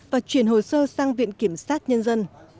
và chuyển hồ sơ sang viện kiểm sát nhân dân